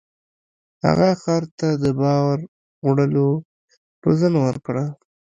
هغه خر ته د بار وړلو روزنه ورکړه.